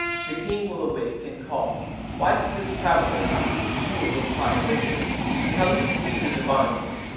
The king will awake and call, 'Why does this traveller come?' You will reply quickly, 'He comes to see the Divine One.